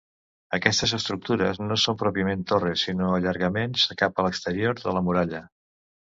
Aquestes estructures no són pròpiament torres sinó allargaments cap a l'exterior de la muralla.